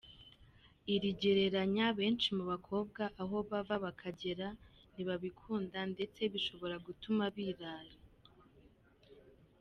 Iri gereranya benshi mu bakobwa aho bava bakagera ntibabikunda ndetse bishobora gutuma birara.